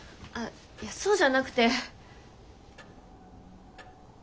いやそうじゃなくて。